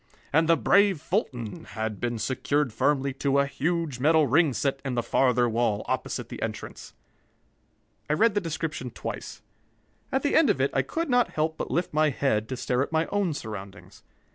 And the brave Fulton had been secured firmly to a huge metal ring set in the farther wall, opposite the entrance. I read the description twice. At the end of it I could not help but lift my head to stare at my own surroundings.